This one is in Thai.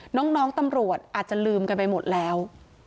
น้องตำรวจอาจจะลืมกันไปหมดแล้ว